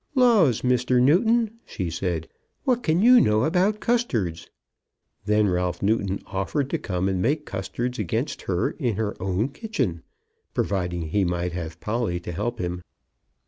"Laws, Mr. Newton," she said, "what can you know about custards?" Then Ralph Newton offered to come and make custards against her in her own kitchen, providing he might have Polly to help him.